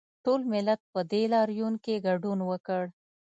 ټول ملت په دې لاریون کې ګډون وکړ